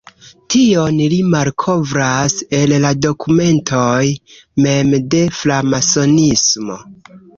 Tion li malkovras el la dokumentoj mem de framasonismo.